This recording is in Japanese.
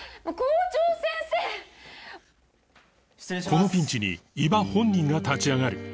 このピンチに伊庭本人が立ち上がる